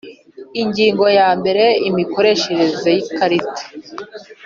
Ingingo ya mbere Imikoreshereze y ikarita